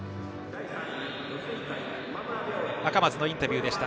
赤松のインタビューでした。